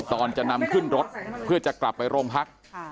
ตอนจะนำขึ้นรถเพื่อจะกลับไปโรงพัก